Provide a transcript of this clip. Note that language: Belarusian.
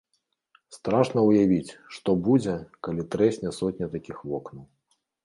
Страшна ўявіць, што будзе, калі трэсне сотня такіх вокнаў.